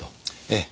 ええ。